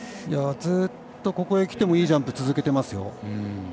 ずっとここへ来てもいいジャンプを続けていますよ。